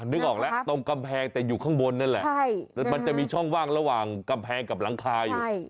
นึกออกแล้วตรงกำแพงแต่อยู่ข้างบนนั่นแหละมันจะมีช่องว่างระหว่างกำแพงกับหลังคาอยู่